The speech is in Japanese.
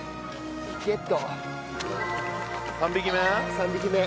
３匹目。